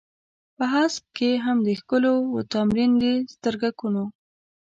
په هسک کې هم د ښکليو و تمرين د سترگکونو.